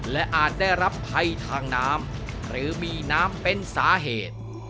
และอาจได้รับภัยทางน้ำหรือมีน้ำเป็นสาเหตุ